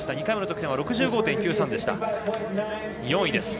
２回目の得点６５．９３でした。